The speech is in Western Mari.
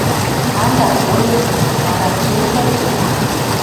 Андак олен, вара чӹнь дӓ чӹнь.